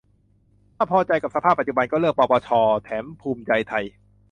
ถ้าพอใจกับสภาพปัจจุบัน ก็เลือกปชป. แถมภูมิใจไทย